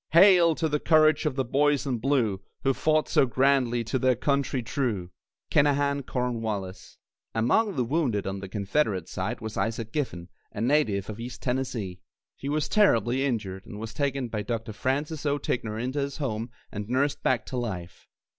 Hail! to the courage of the Boys in Blue, Who fought so grandly, to their Country true. KINAHAN CORNWALLIS. Among the wounded, on the Confederate side, was Isaac Giffen, a native of East Tennessee. He was terribly injured, and was taken by Dr. Francis O. Ticknor into his home and nursed back to life.